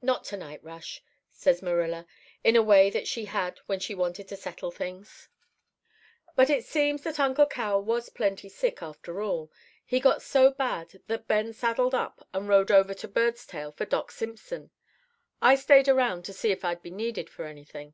"'Not to night, Rush,' says Marilla, in a way that she had when she wanted to settle things. "But it seems that Uncle Cal was plenty sick, after all. He got so bad that Ben saddled up and rode over to Birdstail for Doc Simpson. I stayed around to see if I'd be needed for anything.